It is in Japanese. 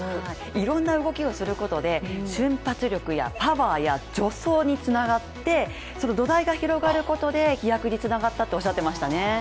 いろんな動きをすることで瞬発力やパワーや助走につながってその土台が広がることで飛躍につながったっておっしゃってましたね。